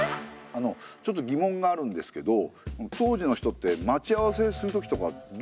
あのうちょっと疑問があるんですけど当時の人って待ち合わせするときとかどうしたんですかね？